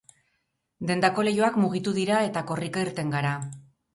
Dendako leihoak mugitu dira, eta korrika irten gara.